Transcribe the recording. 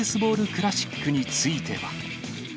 クラシックについては。